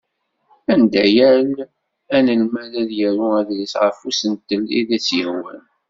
Anda yal anelmad ad yaru aḍris ɣef usentel i d as-yehwan.